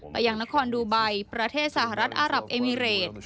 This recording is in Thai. ไปยังนครดูไบประเทศสหรัฐอารับเอมิเรต